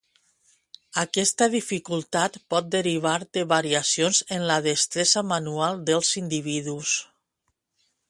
Aquesta dificultat pot derivar de variacions en la destresa manual dels individus.